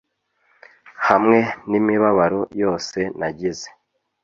hamwe n'imibabaro yose nagize